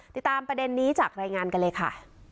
ติดตามประเด็นนี้จากรายงานกันเลยค่ะ